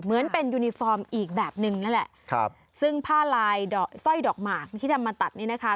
เหมือนเป็นยูนิฟอร์มอีกแบบนึงนั่นแหละครับซึ่งผ้าลายดอกสร้อยดอกหมากที่ทำมาตัดนี่นะคะ